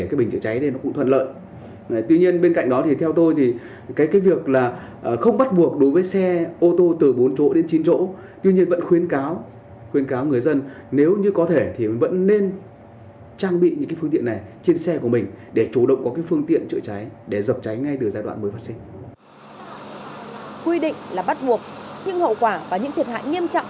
quy định là bắt buộc những hậu quả và những thiệt hại nghiêm trọng